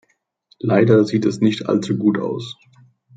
Leider sieht es nicht allzu gut aus.